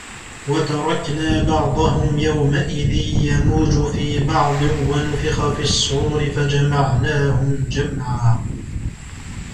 وَتَرَكْنَا بَعْضَهُمْ يَوْمَئِذٍ يَمُوجُ فِي بَعْضٍ وَنُفِخَ فِي الصُّورِ فَجَمَعْنَاهُمْ جَمْعًا